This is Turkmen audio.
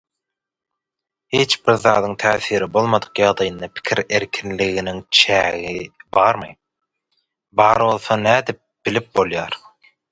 Hiçbir zadyň täsiri bolmadyk ýagdaýynda pikir erkinliginiň çägi barmy, bar bolsa nädip bilip bolar?